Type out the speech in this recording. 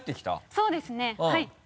そうですねはい。